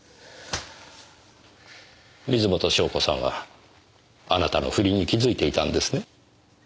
水元湘子さんはあなたの不倫に気づいていたんですね？